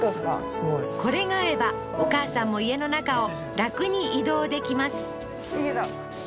すごいこれがあればお母さんも家の中を楽に移動できますいけた